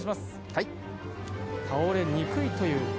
はい倒れにくいという